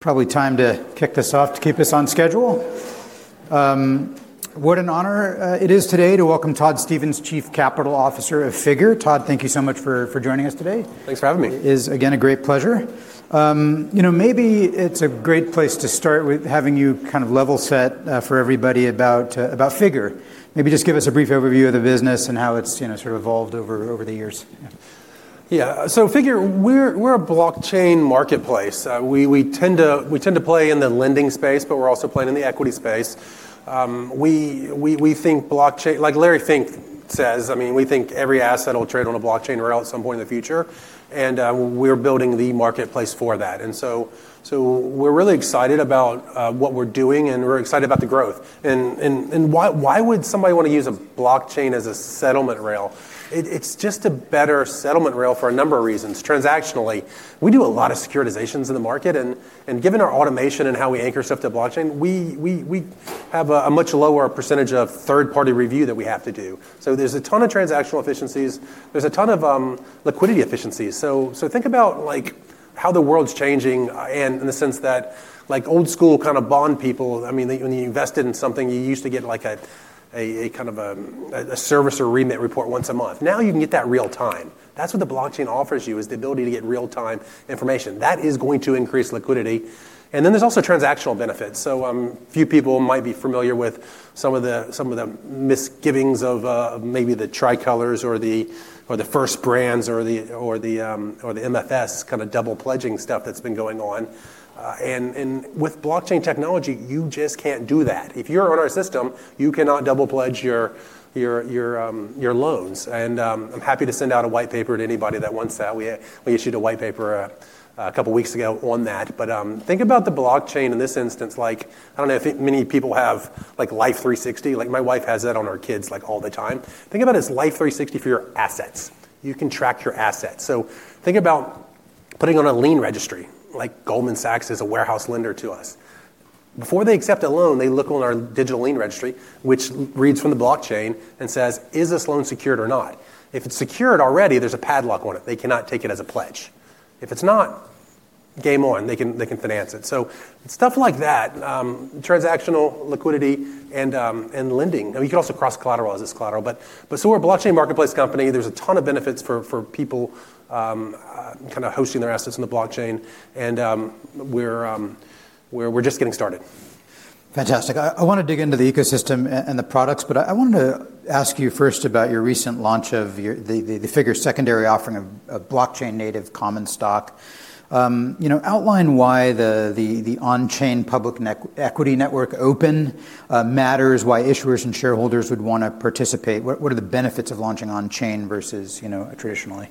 Probably time to kick this off to keep us on schedule. What an honor it is today to welcome Todd Stevens, Chief Capital Officer of Figure. Todd, thank you so much for joining us today. Thanks for having me. It is again a great pleasure. You know, maybe it's a great place to start with having you kind of level set for everybody about Figure. Maybe just give us a brief overview of the business and how it's, you know, sort of evolved over the years. Yeah. Figure, we're a blockchain marketplace. We tend to play in the lending space, but we're also playing in the equity space. We think blockchain, like Larry Fink says, I mean, we think every asset will trade on a blockchain at some point in the future, and we're building the marketplace for that. We're really excited about what we're doing, and we're excited about the growth. Why would somebody wanna use a blockchain as a settlement rail? It's just a better settlement rail for a number of reasons. Transactionally, we do a lot of securitizations in the market, and given our automation and how we anchor stuff to blockchain, we have a much lower percentage of third-party review that we have to do. There's a ton of transactional efficiencies. There's a ton of liquidity efficiencies. Think about like, how the world's changing, and in the sense that like old school kind of bond people, I mean, when you invested in something, you used to get like a kind of a service or remit report once a month. Now you can get that real time. That's what the blockchain offers you, is the ability to get real time information. That is going to increase liquidity. Then there's also transactional benefits. A few people might be familiar with some of the misgivings of, maybe the Tricolor or the First Brands or the MFS kind of double pledging stuff that's been going on. With blockchain technology, you just can't do that. If you're on our system, you cannot double pledge your loans. I'm happy to send out a white paper to anybody that wants that. We issued a white paper a couple weeks ago on that. Think about the blockchain in this instance. Like, I don't know if many people have like Life360. Like, my wife has that on our kids, like all the time. Think about it as Life360 for your assets. You can track your assets. Think about putting on a lien registry, like Goldman Sachs is a warehouse lender to us. Before they accept a loan, they look on our digital lien registry, which reads from the blockchain and says, "Is this loan secured or not?" If it's secured already, there's a padlock on it. They cannot take it as a pledge. If it's not, game on, they can finance it. It's stuff like that, transactional liquidity and lending. You can also cross collateralize this collateral. So we're a blockchain marketplace company. There's a ton of benefits for people kinda hosting their assets in the blockchain. We're just getting started. Fantastic. I wanna dig into the ecosystem and the products, but I wanted to ask you first about your recent launch of the Figure secondary offering of blockchain native common stock. You know, outline why the on-chain public equity network open matters, why issuers and shareholders would wanna participate. What are the benefits of launching on-chain versus, you know, traditionally?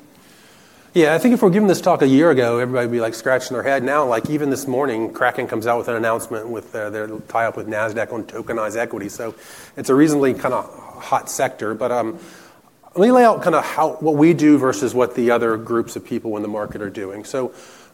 Yeah. I think if we're giving this talk a year ago, everybody would be like scratching their head. Now, like even this morning, Kraken comes out with an announcement with their tie-up with Nasdaq on tokenized equity. It's a reasonably kinda hot sector. Let me lay out kinda what we do versus what the other groups of people in the market are doing.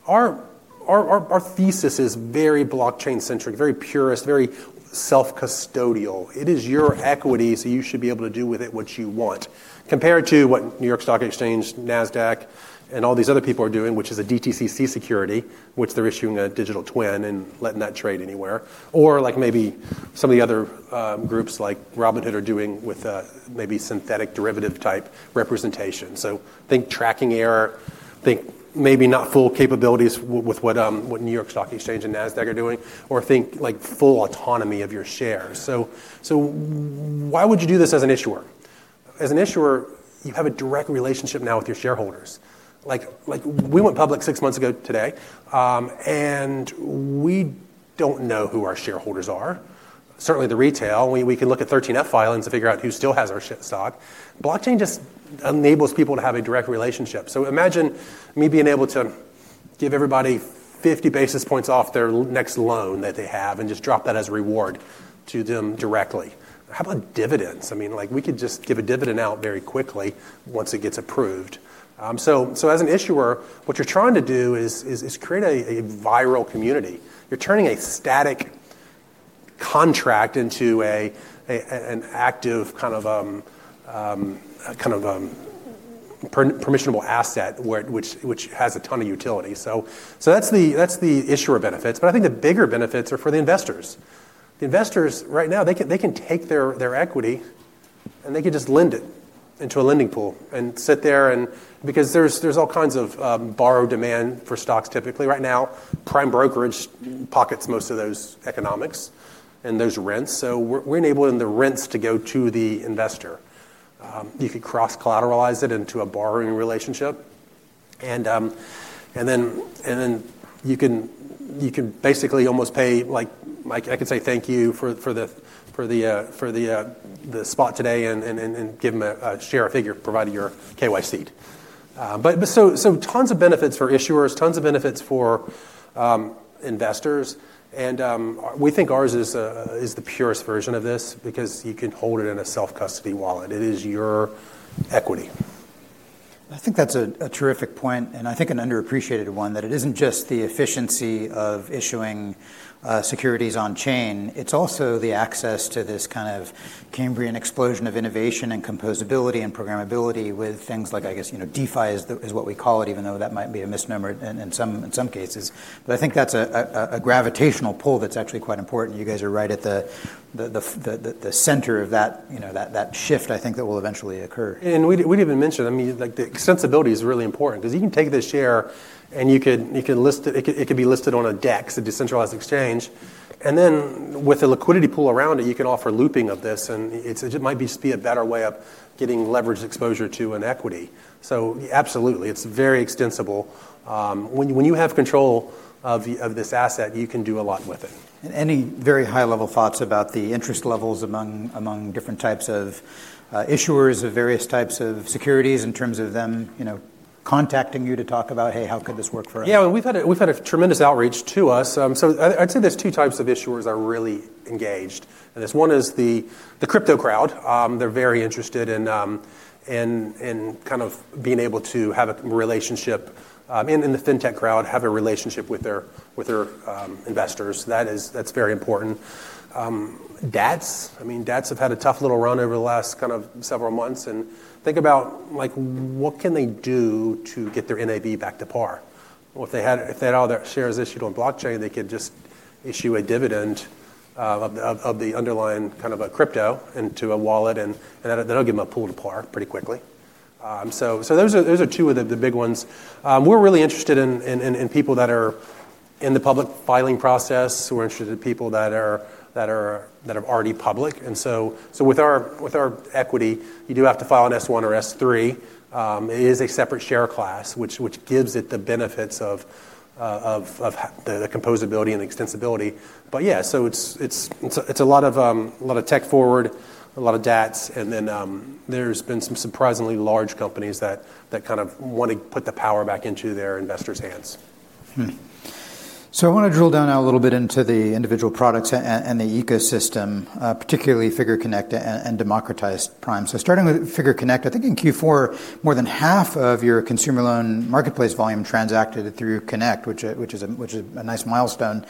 Our thesis is very blockchain-centric, very purist, very self-custodial. It is your equity, so you should be able to do with it what you want, compared to what New York Stock Exchange, Nasdaq, and all these other people are doing, which is a DTCC security, which they're issuing a digital twin and letting that trade anywhere. Or like maybe some of the other groups like Robinhood are doing with maybe synthetic derivative type representation. Think tracking error, think maybe not full capabilities with what New York Stock Exchange and Nasdaq are doing or think like full autonomy of your shares. Why would you do this as an issuer? As an issuer, you have a direct relationship now with your shareholders. Like, we went public six months ago today, and we don't know who our shareholders are. Certainly the retail. We can look at 13F filings to figure out who still has our stock. Blockchain just enables people to have a direct relationship. Imagine me being able to give everybody 50 basis points off their next loan that they have and just drop that as a reward to them directly. How about dividends? I mean, like, we could just give a dividend out very quickly once it gets approved. As an issuer, what you're trying to do is create a viral community. You're turning a static contract into an active kind of programmable asset which has a ton of utility. That's the issuer benefits. I think the bigger benefits are for the investors. The investors, right now, they can take their equity, and they can just lend it into a lending pool and sit there. Because there's all kinds of borrowed demand for stocks typically. Right now, prime brokerage pockets most of those economics and those rents. We're enabling the rents to go to the investor. You could cross-collateralize it into a borrowing relationship. You can basically almost pay, like I could say thank you for the spot today and give them a share of Figure, provided you're KYC'd. Tons of benefits for issuers, tons of benefits for investors. We think ours is the purest version of this because you can hold it in a self-custody wallet. It is your equity. I think that's a terrific point, and I think an underappreciated one, that it isn't just the efficiency of issuing securities on chain. It's also the access to this kind of Cambrian explosion of innovation and composability and programmability with things like, I guess, you know, DeFi is what we call it, even though that might be a misnomer in some cases. I think that's a gravitational pull that's actually quite important. You guys are right at the center of that, you know, that shift, I think, that will eventually occur. We didn't even mention, I mean, like, the extensibility is really important 'cause you can take this share, and you could list it. It could be listed on a DEX, a decentralized exchange. With a liquidity pool around it, you can offer looping of this, and it might just be a better way of getting leverage exposure to an equity. Absolutely. It's very extensible. When you have control of this asset, you can do a lot with it. Any very high-level thoughts about the interest levels among different types of issuers of various types of securities in terms of them, you know, contacting you to talk about, "Hey, how could this work for us? Yeah. We've had a tremendous outreach to us. I'd say there are two types of issuers really engaged in this. One is the crypto crowd. They're very interested in kind of being able to have a relationship in the FinTech crowd, have a relationship with their investors. That is, that's very important. DAOs, I mean, DAOs have had a tough little run over the last kind of several months. Think about, like, what can they do to get their NAV back to par? Well, if they had all their shares issued on blockchain, they could just issue a dividend of the underlying kind of a crypto into a wallet, and that'll give them a pull to par pretty quickly. Those are two of the big ones. We're really interested in people that are in the public filing process. We're interested in people that are already public. With our equity, you do have to file an S-1 or S-3. It is a separate share class, which gives it the benefits of the composability and extensibility. Yeah. It's a lot of tech-forward, a lot of DAOs, and then there's been some surprisingly large companies that kind of want to put the power back into their investors' hands. I wanna drill down now a little bit into the individual products and the ecosystem, particularly Figure Connect and Democratized Prime. Starting with Figure Connect, I think in Q4, more than half of your consumer loan marketplace volume transacted through Connect, which is a nice milestone.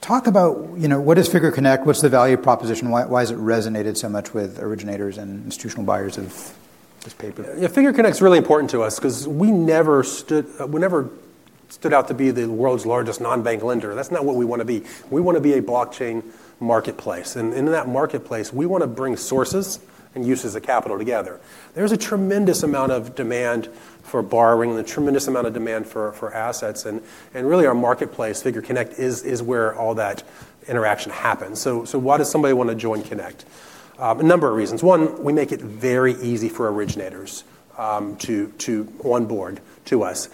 Talk about, you know, what is Figure Connect? What's the value proposition? Why has it resonated so much with originators and institutional buyers of this paper? Yeah. Figure Connect's really important to us 'cause we never stood out to be the world's largest non-bank lender. That's not what we wanna be. We wanna be a blockchain marketplace. In that marketplace, we wanna bring sources and users of capital together. There's a tremendous amount of demand for borrowing and a tremendous amount of demand for assets. Really, our marketplace, Figure Connect, is where all that interaction happens. Why does somebody wanna join Connect? A number of reasons. One, we make it very easy for originators to onboard to us.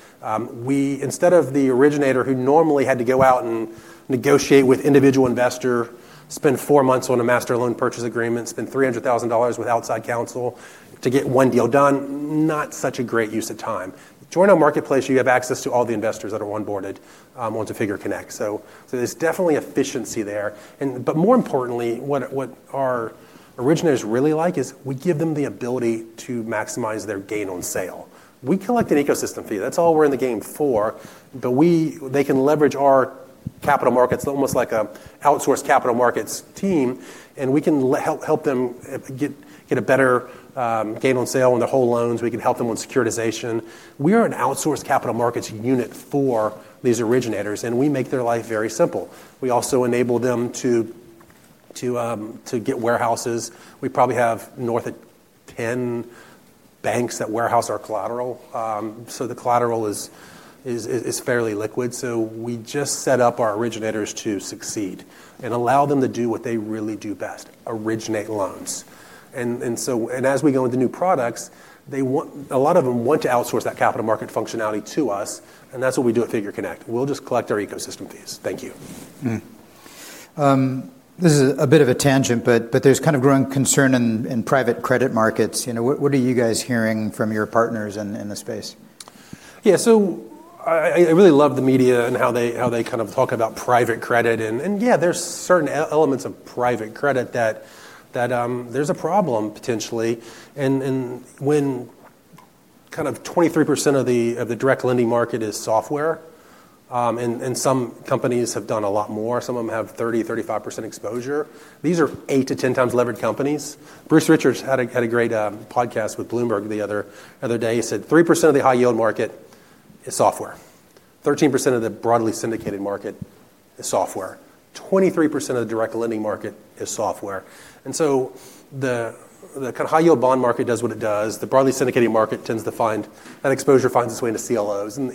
Instead of the originator who normally had to go out and negotiate with individual investor, spend four months on a master loan purchase agreement, spend $300,000 with outside counsel to get one deal done, not such a great use of time. Join our marketplace, you have access to all the investors that are onboarded onto Figure Connect. There's definitely efficiency there, but more importantly, what our originators really like is we give them the ability to maximize their gain on sale. We collect an ecosystem fee. That's all we're in the game for, but they can leverage our capital markets, almost like a outsourced capital markets team, and we can help them get a better gain on sale on their whole loans. We can help them with securitization. We are an outsourced capital markets unit for these originators, and we make their life very simple. We also enable them to get warehouses. We probably have north of 10 banks that warehouse our collateral. The collateral is fairly liquid. We just set up our originators to succeed and allow them to do what they really do best, originate loans. As we go into new products, a lot of them want to outsource that capital market functionality to us, and that's what we do at Figure Connect. We'll just collect our ecosystem fees. Thank you. This is a bit of a tangent, but there's kind of growing concern in private credit markets. You know, what are you guys hearing from your partners in the space? Yeah. I really love the media and how they kind of talk about private credit, and there's certain elements of private credit that there's a problem potentially. When kind of 23% of the direct lending market is software, and some companies have done a lot more, some of them have 30%, 35% exposure, these are 8-10 times levered companies. Bruce Richards had a great podcast with Bloomberg the other day. He said, "3% of the high-yield market is software. 13% of the broadly syndicated market is software. 23% of the direct lending market is software." The high-yield bond market does what it does. The broadly syndicated market tends to find that exposure finds its way into CLOs. Then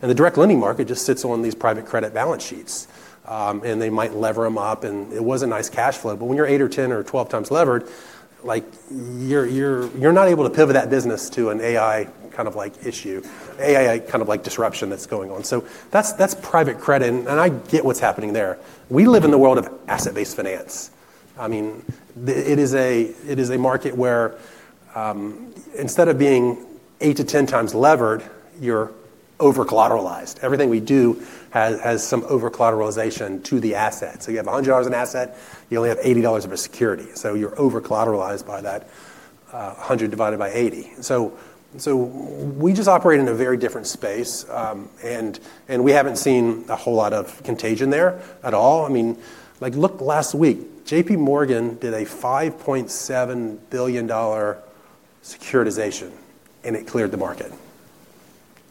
the direct lending market just sits on these private credit balance sheets. They might lever them up, and it was a nice cash flow. When you're eight or 10 or 12 times levered, like, you're not able to pivot that business to an AI kind of, like, issue, AI kind of, like, disruption that's going on. That's private credit, and I get what's happening there. We live in the world of asset-based finance. It is a market where instead of being eight to 10 times levered, you're over-collateralized. Everything we do has some over-collateralization to the asset. You have $100 an asset, you only have $80 of a security. You're over-collateralized by that, 100 divided by 80. We just operate in a very different space, and we haven't seen a whole lot of contagion there at all. I mean, like, look last week, JPMorgan did a $5.7 billion securitization, and it cleared the market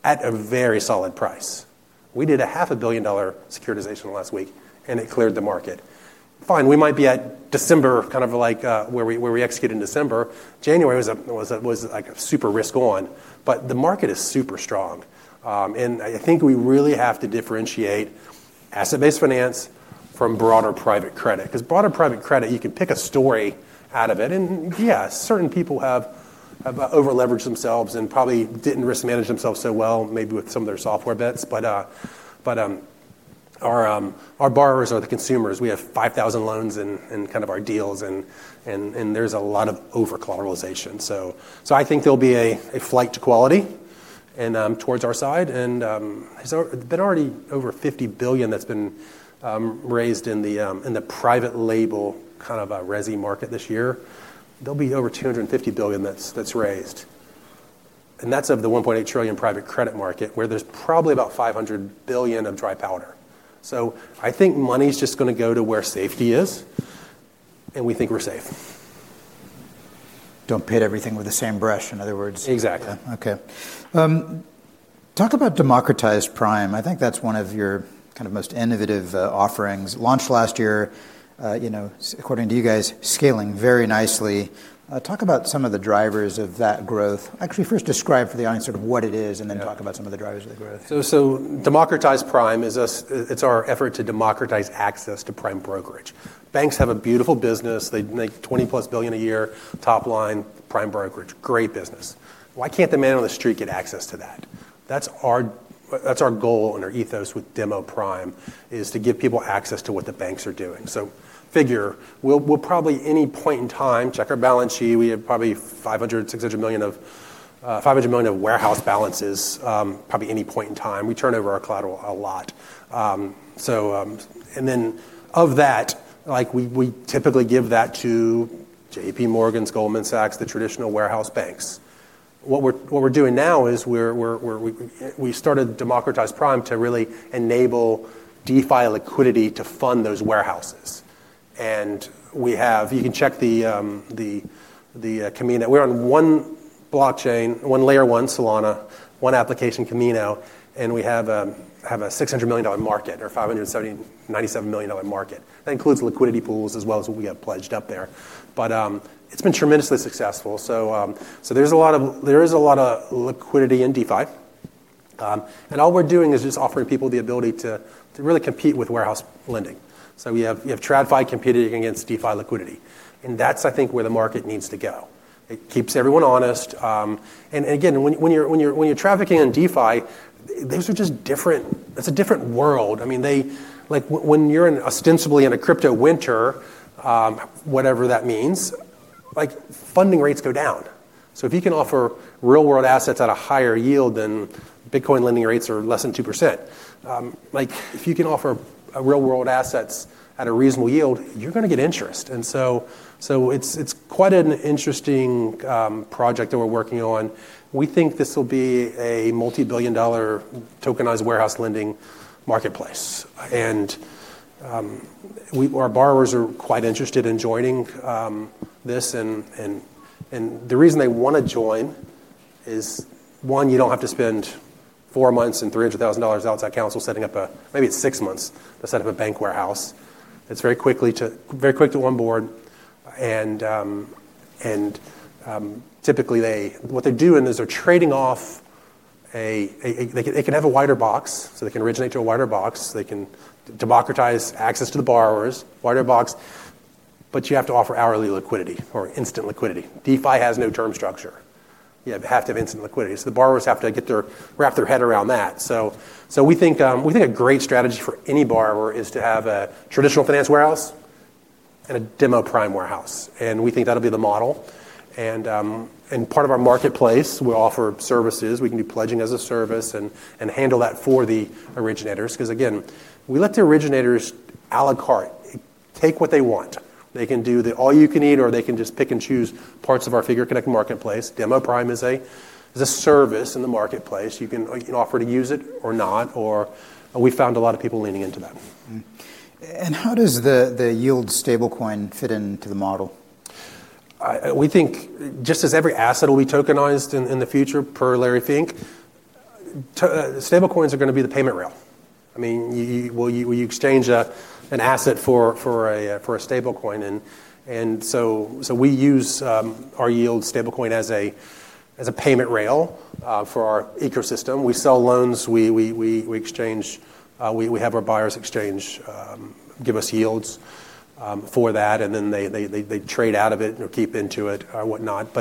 at a very solid price. We did a half a billion dollar securitization last week, and it cleared the market fine. We might be at December, kind of like where we execute in December. January was like a super risk on, but the market is super strong. I think we really have to differentiate asset-based finance from broader private credit. 'Cause broader private credit, you can pick a story out of it, and yeah, certain people have over-leveraged themselves and probably didn't risk manage themselves so well, maybe with some of their software bets. Our borrowers are the consumers. We have 5,000 loans in kind of our deals and there's a lot of over-collateralization. I think there'll be a flight to quality and towards our side. There's already been over $50 billion that's been raised in the private label, kind of a resi market this year. There'll be over $250 billion that's raised. And that's of the $1.8 trillion private credit market, where there's probably about $500 billion of dry powder. I think money's just gonna go to where safety is, and we think we're safe. Don't paint everything with the same brush, in other words. Exactly. Yeah. Okay. Talk about Democratized Prime. I think that's one of your kind of most innovative offerings. Launched last year, you know, according to you guys, scaling very nicely. Talk about some of the drivers of that growth. Actually, first describe for the audience sort of what it is. Yeah Talk about some of the drivers of the growth. Democratized Prime is us—it's our effort to democratize access to prime brokerage. Banks have a beautiful business. They make $20+ billion a year, top line, prime brokerage, great business. Why can't the man on the street get access to that? That's our goal and our ethos with Democratized Prime, is to give people access to what the banks are doing. Figure, we'll probably at any point in time, check our balance sheet, we have probably $500 million-$600 million of $500 million of warehouse balances, probably at any point in time. We turn over our collateral a lot. And then of that, we typically give that to JPMorgan, Goldman Sachs, the traditional warehouse banks. What we're doing now is we started Democratized Prime to really enable DeFi liquidity to fund those warehouses. We have. You can check the Kamino. We're on one blockchain, one layer one Solana, one application Kamino, and we have a $600 million market, or $579.97 million market. That includes liquidity pools as well as what we have pledged up there. It's been tremendously successful. There's a lot of liquidity in DeFi. All we're doing is just offering people the ability to really compete with warehouse lending. You have TradFi competing against DeFi liquidity. That's, I think, where the market needs to go. It keeps everyone honest. When you're trading on DeFi, those are just different. It's a different world. Like, when you're ostensibly in a crypto winter, whatever that means, like, funding rates go down. If you can offer real-world assets at a higher yield than Bitcoin lending rates are less than 2%. Like, if you can offer real-world assets at a reasonable yield, you're gonna get interest. It's quite an interesting project that we're working on. We think this will be a multi-billion-dollar tokenized warehouse lending marketplace. Our borrowers are quite interested in joining this. The reason they wanna join is, one, you don't have to spend four months and $300,000 on outside counsel setting up. Maybe it's six months to set up a bank warehouse. It's very quick to onboard. Typically they what they're doing is they're trading off. They can have a wider box, so they can originate to a wider box. They can democratize access to the borrowers, wider box. You have to offer hourly liquidity or instant liquidity. DeFi has no term structure. You have to have instant liquidity. The borrowers have to wrap their head around that. We think a great strategy for any borrower is to have a traditional finance warehouse and a Democratized Prime warehouse. We think that'll be the model. Part of our marketplace, we offer services. We can do pledging as a service and handle that for the originators 'cause again, we let the originators à la carte take what they want. They can do the all you can eat, or they can just pick and choose parts of our Figure Connect marketplace. Democratized Prime is a service in the marketplace. You can offer to use it or not, or we found a lot of people leaning into that. How does the yield stablecoin fit into the model? We think just as every asset will be tokenized in the future, per Larry Fink, stablecoins are gonna be the payment rail. I mean, well you exchange an asset for a stablecoin. We use our yield stablecoin as a payment rail for our ecosystem. We sell loans, we exchange, we have our buyers exchange give us yields for that, and then they trade out of it or keep into it or whatnot.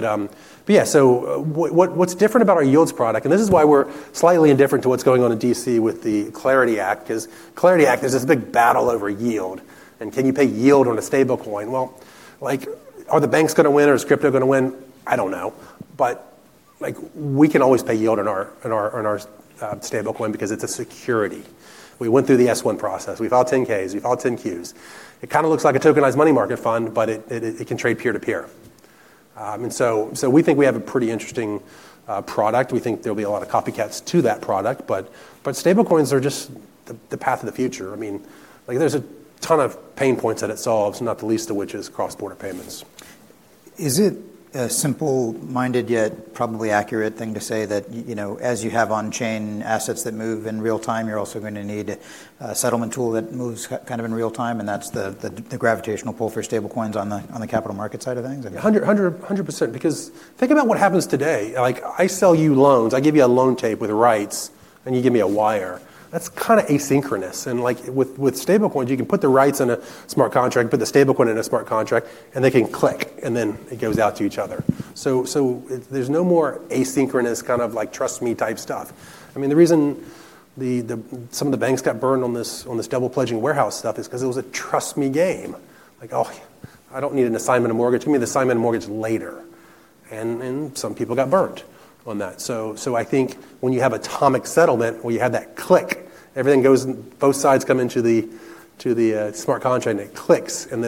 What's different about our yields product, and this is why we're slightly indifferent to what's going on in D.C. with the CLARITY Act, is there's this big battle over yield, and can you pay yield on a stablecoin? Like, are the banks gonna win or is crypto gonna win? I don't know. Like we can always pay yield on our stablecoin because it's a security. We went through the S-1 process. We file 10-Ks. We file 10-Qs. It kinda looks like a tokenized money market fund, but it can trade peer-to-peer. We think we have a pretty interesting product. We think there'll be a lot of copycats to that product, but stablecoins are just the path of the future. I mean, like, there's a ton of pain points that it solves, not the least of which is cross-border payments. Is it a simple-minded yet probably accurate thing to say that you know, as you have on-chain assets that move in real time, you're also gonna need a settlement tool that moves kind of in real time, and that's the gravitational pull for stablecoins on the capital market side of things? I mean 100% because think about what happens today. Like, I sell you loans. I give you a loan tape with rights, and you give me a wire. That's kinda asynchronous. Like with stablecoins, you can put the rights in a smart contract, put the stablecoin in a smart contract, and they can click, and then it goes out to each other. So, there's no more asynchronous kind of like trust me type stuff. I mean, the reason some of the banks got burned on this double pledging warehouse stuff is 'cause it was a trust me game. Like, "Oh, I don't need an assignment of mortgage. Give me the assignment of mortgage later," and some people got burned on that. I think when you have atomic settlement, when you have that click, everything goes. Both sides come into the smart contract, and it clicks. The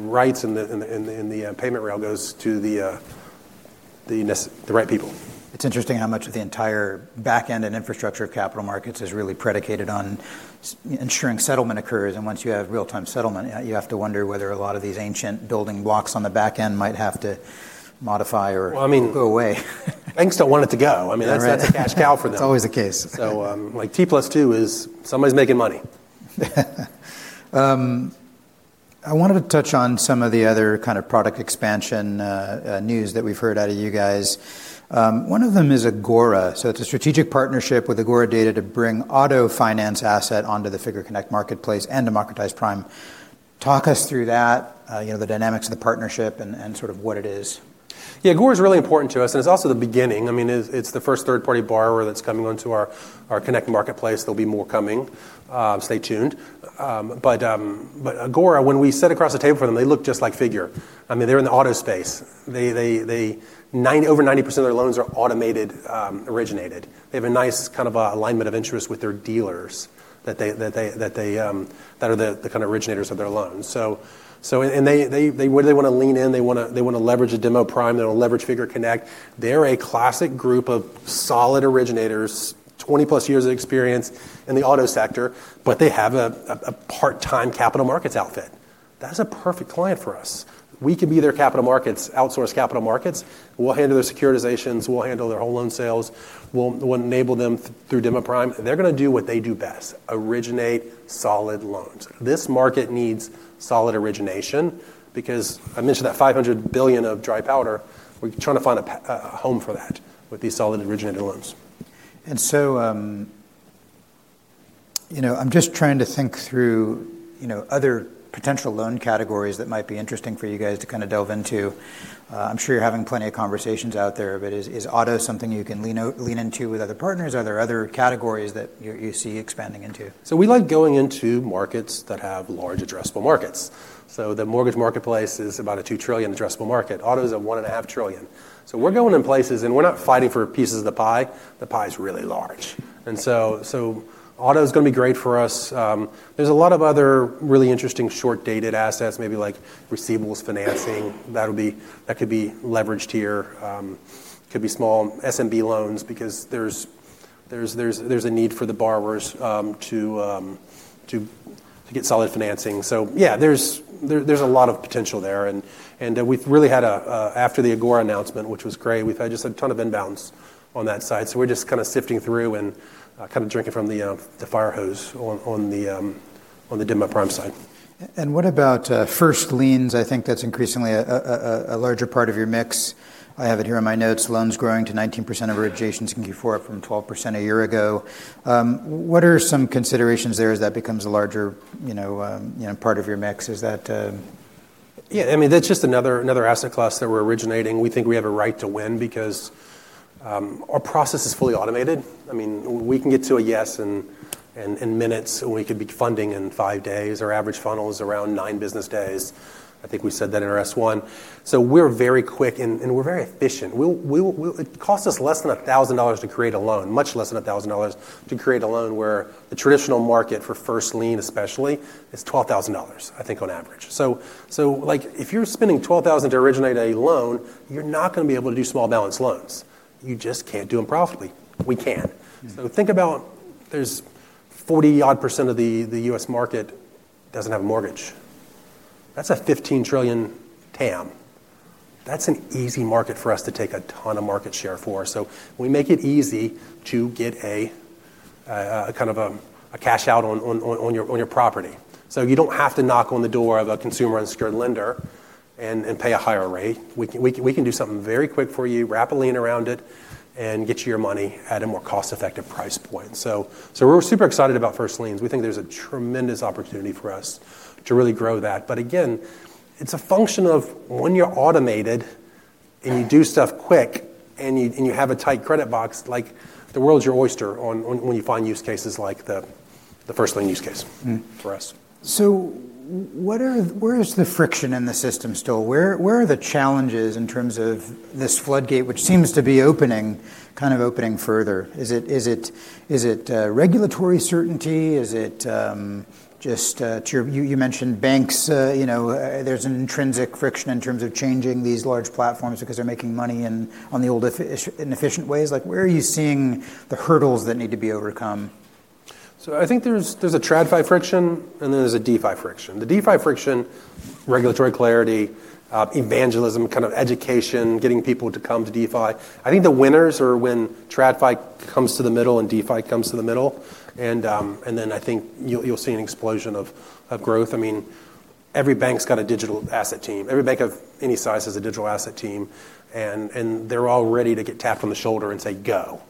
rights and the payment rail goes to the right people. It's interesting how much of the entire back end and infrastructure of capital markets is really predicated on ensuring settlement occurs. Once you have real-time settlement, you have to wonder whether a lot of these ancient building blocks on the back end might have to modify or. Well, I mean. Go away. Banks don't want it to go. I mean, that's. Right That's a cash cow for them. It's always the case. Like T+2 is somebody's making money. I wanted to touch on some of the other kind of product expansion, news that we've heard out of you guys. One of them is Agora. It's a strategic partnership with Agora Data to bring auto finance asset onto the Figure Connect marketplace and Democratized Prime. Talk us through that, you know, the dynamics of the partnership and sort of what it is. Yeah. Agora is really important to us, and it's also the beginning. I mean, it's the first third-party borrower that's coming onto our Connect marketplace. There'll be more coming. Stay tuned. Agora, when we sit across the table from them, they look just like Figure. I mean, they're in the auto space. Over 90% of their loans are automated originated. They have a nice kind of alignment of interest with their dealers that are the kind of originators of their loans. They really wanna lean in. They wanna leverage the Demo Prime. They wanna leverage Figure Connect. They're a classic group of solid originators, 20+ years of experience in the auto sector, but they have a part-time capital markets outfit. That is a perfect client for us. We can be their capital markets, outsource capital markets. We'll handle their securitizations. We'll handle their whole loan sales. We'll enable them through Democratized Prime, and they're gonna do what they do best, originate solid loans. This market needs solid origination because I mentioned that $500 billion of dry powder. We're trying to find a home for that with these solid originated loans. You know, I'm just trying to think through, you know, other potential loan categories that might be interesting for you guys to kinda delve into. I'm sure you're having plenty of conversations out there, but is auto something you can lean into with other partners? Are there other categories that you see expanding into? We like going into markets that have large addressable markets. The mortgage marketplace is about a $2 trillion addressable market. Auto's a $1.5 trillion. We're going in places, and we're not fighting for pieces of the pie. The pie is really large. Auto's gonna be great for us. There's a lot of other really interesting short-dated assets, maybe like receivables financing. That could be leveraged here. Could be small SMB loans because there's a need for the borrowers to get solid financing. There's a lot of potential there and we've really had. After the Agora announcement, which was great, we've had just a ton of inbounds on that side. We're just kinda sifting through and kind of drinking from the fire hose on the Democratized Prime side. What about first liens? I think that's increasingly a larger part of your mix. I have it here in my notes, loans growing to 19% of originations in Q4 from 12% a year ago. What are some considerations there as that becomes a larger, you know, you know, part of your mix? Yeah. I mean, that's just another asset class that we're originating. We think we have a right to win because our process is fully automated. I mean, we can get to a yes in minutes, and we could be funding in five days. Our average funnel is around nine business days. I think we said that in our S-1. We're very quick, and we're very efficient. It costs us less than $1,000 to create a loan, much less than $1,000 to create a loan, where the traditional market for first lien especially is $12,000, I think on average. Like, if you're spending $12,000 to originate a loan, you're not gonna be able to do small balance loans. You just can't do them profitably. We can. Mm-hmm. Think about there's 40-odd % of the U.S. market doesn't have a mortgage. That's a $15 trillion TAM. That's an easy market for us to take a ton of market share for. We make it easy to get a kind of a cash out on your property. You don't have to knock on the door of a consumer unsecured lender and pay a higher rate. We can do something very quick for you, wrap a lien around it, and get you your money at a more cost-effective price point. We're super excited about first liens. We think there's a tremendous opportunity for us to really grow that. Again, it's a function of when you're automated, and you do stuff quick, and you have a tight credit box, like, the world's your oyster on when you find use cases like the first loan use case. Mm-hmm For us. Where is the friction in the system still? Where are the challenges in terms of this floodgate, which seems to be opening, kind of opening further? Is it regulatory certainty? Is it just you mentioned banks, you know, there's an intrinsic friction in terms of changing these large platforms because they're making money on the old inefficient ways. Like, where are you seeing the hurdles that need to be overcome? I think there's a TradFi friction, and then there's a DeFi friction. The DeFi friction, regulatory clarity, evangelism, kind of education, getting people to come to DeFi. I think the winners are when TradFi comes to the middle and DeFi comes to the middle, and then I think you'll see an explosion of growth. I mean, every bank's got a digital asset team. Every bank of any size has a digital asset team, and they're all ready to get tapped on the shoulder and say, "Go."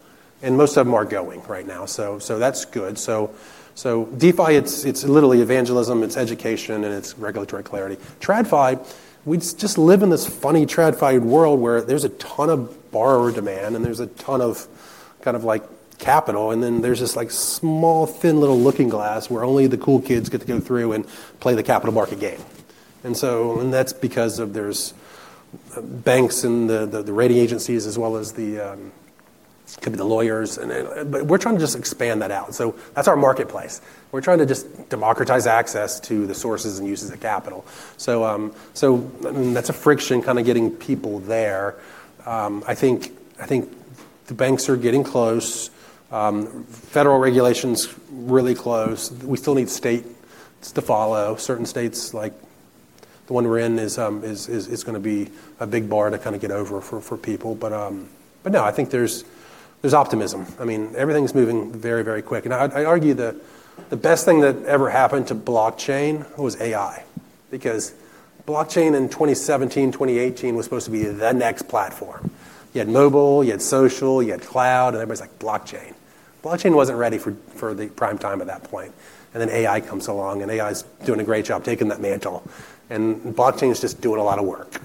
Most of them are going right now, so that's good. DeFi, it's literally evangelism, it's education, and it's regulatory clarity. TradFi, we just live in this funny TradFi world where there's a ton of borrower demand and there's a ton of, kind of like capital, and then there's this like small, thin little looking glass where only the cool kids get to go through and play the capital market game. That's because there's banks and the rating agencies as well as the lawyers. We're trying to just expand that out, so that's our marketplace. We're trying to just democratize access to the sources and users of capital. That's a friction kinda getting people there. I think the banks are getting close. Federal regulation's really close. We still need states to follow. Certain states, like the one we're in, is gonna be a big bar to kinda get over for people. No, I think there's optimism. I mean, everything's moving very quick. I argue the best thing that ever happened to blockchain was AI because blockchain in 2017, 2018 was supposed to be the next platform. You had mobile, you had social, you had cloud, and everybody's like, "Blockchain." Blockchain wasn't ready for the prime time at that point. Then AI comes along, and AI's doing a great job taking that mantle, and blockchain's just doing a lot of work,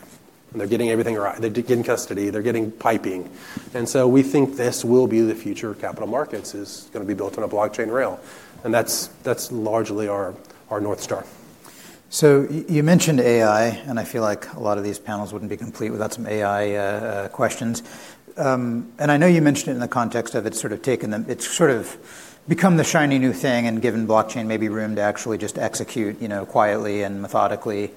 and they're getting everything. They're getting custody, they're getting piping. We think this will be the future of capital markets is gonna be built on a blockchain rail, and that's largely our North Star. You mentioned AI, and I feel like a lot of these panels wouldn't be complete without some AI questions. I know you mentioned it in the context of it sort of taking them. It's sort of become the shiny new thing and given blockchain maybe room to actually just execute, you know, quietly and methodically,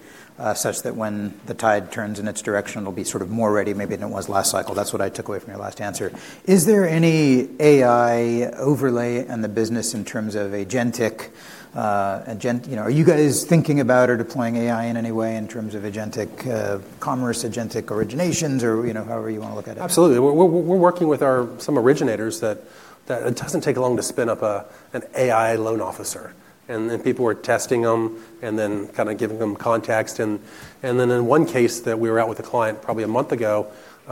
such that when the tide turns in its direction, it'll be sort of more ready maybe than it was last cycle. That's what I took away from your last answer. Is there any AI overlay in the business in terms of agentic commerce, agentic originations or, you know, however you wanna look at it? Absolutely. We're working with some originators that it doesn't take long to spin up an AI loan officer. People are testing them and then kinda giving them context. In one case that we were out with a client probably a month ago,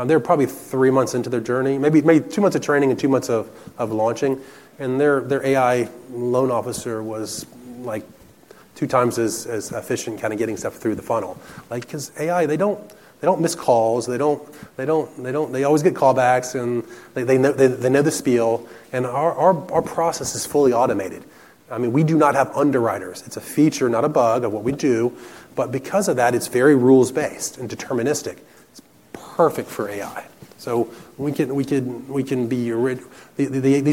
they were probably three months into their journey. Maybe two months of training and two months of launching, and their AI loan officer was like two times as efficient kinda getting stuff through the funnel. Like, 'cause AI, they don't miss calls. They always get callbacks, and they know the spiel. Our process is fully automated. I mean, we do not have underwriters. It's a feature, not a bug of what we do. Because of that, it's very rules-based and deterministic. It's perfect for AI. These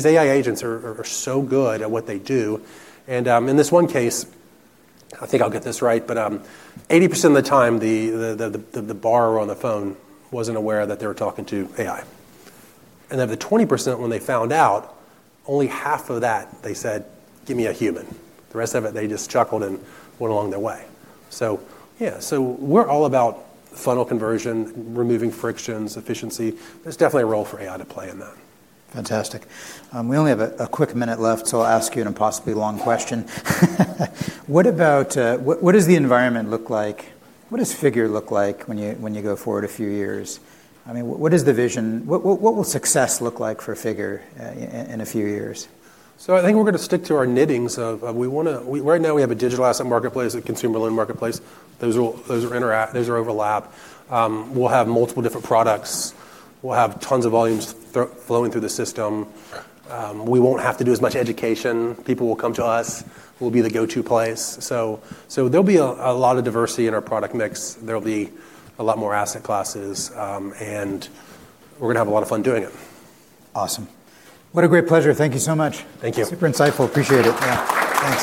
AI agents are so good at what they do. In this one case, I think I'll get this right, but 80% of the time, the borrower on the phone wasn't aware that they were talking to AI. Of the 20% when they found out, only half of that they said, "Give me a human." The rest of it, they just chuckled and went along their way. Yeah, so we're all about funnel conversion, removing frictions, efficiency. There's definitely a role for AI to play in that. Fantastic. We only have a quick minute left, so I'll ask you an impossibly long question. What about what does the environment look like? What does Figure look like when you go forward a few years? I mean, what is the vision? What will success look like for Figure in a few years? I think we're gonna stick to our knitting. Right now we have a digital asset marketplace, a consumer loan marketplace. Those interact, those overlap. We'll have multiple different products. We'll have tons of volumes flowing through the system. We won't have to do as much education. People will come to us. We'll be the go-to place. There'll be a lot of diversity in our product mix. There'll be a lot more asset classes, and we're gonna have a lot of fun doing it. Awesome. What a great pleasure. Thank you so much. Thank you. Super insightful. Appreciate it. Yeah. Thanks.